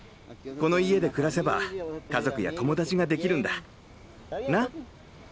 この家で暮らせば家族や友達ができるんだ。な？